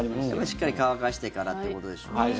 しっかり乾かしてからっていうことでしょうね。